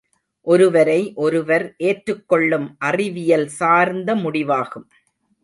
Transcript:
ஒருவரை ஒருவர் ஏற்றுக்கொள்ளும் அறிவியல் சார்ந்த முடிவாகும்.